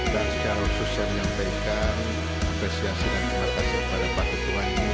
dan secara khusus saya menyampaikan apresiasi dan terima kasih kepada pak ketua ini